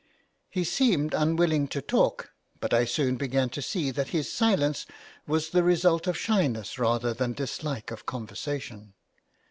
He seemed unwilling to talk, but I soon began to see that his silence was the result of shyness rather than dislike of conversation.